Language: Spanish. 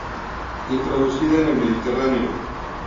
Introducida en el Mediterráneo.